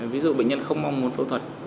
ví dụ bệnh nhân không mong muốn phẫu thuật